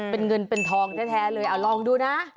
เป็นเงินเป็นทองแท้เลยลองดูนะ